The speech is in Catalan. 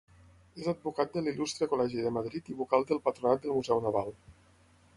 És advocat de l'Il·lustre Col·legi de Madrid i Vocal del Patronat del Museu Naval.